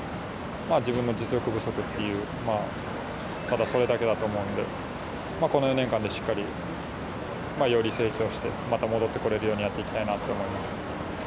自分の実力不足っていう、ただそれだけだと思うので、この４年間で、しっかりより成長して、また戻ってこれるようにやっていきたいなって思いましたね。